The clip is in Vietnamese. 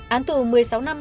án tử một mươi sáu năm